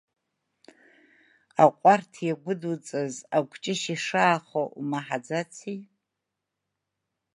Аҟәарҭ иагәыдуҵаз акәҷышь ишаахо умаҳаӡаци?